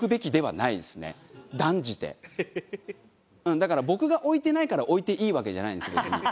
だから僕が置いてないから置いていいわけじゃないんです別に。